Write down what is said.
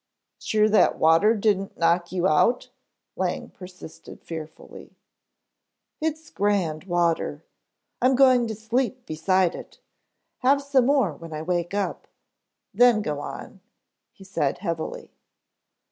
"Sure that water didn't knock you out?" Lang persisted fearfully. "It's grand water. I'm going to sleep beside it, have some more when I wake up, then go on," he said heavily.